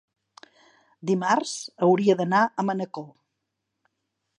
Dimarts hauria d'anar a Manacor.